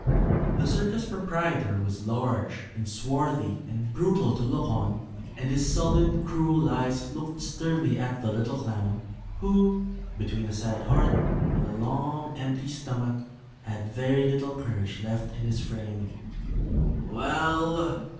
The circus proprietor was large and swarthy and brutal to look on, and his sullen, cruel eyes looked sternly at the little clown, who, between a sad heart and a long empty stomach, had very little courage left in his frame. "Well!"